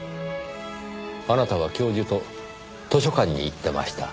あなたは教授と図書館に行ってました。